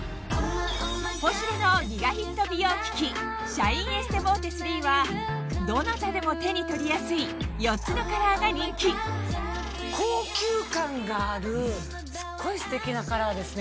『ポシュレ』のギガヒット美容機器はどなたでも手に取りやすい４つのカラーが人気高級感があるすっごいステキなカラーですね。